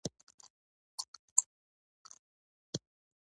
بوټونه د بازار موندنې برخه ده.